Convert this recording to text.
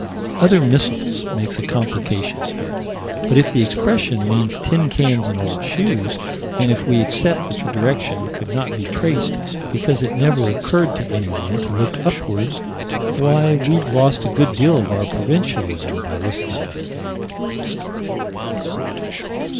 "Other missiles" make a complication here. But if the expression means tin cans and old shoes, and if we accept that the direction could not be traced because it never occurred to anyone to look upward why, we've lost a good deal of our provincialism by this time.